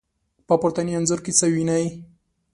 په پورتني انځور کې څه وينئ؟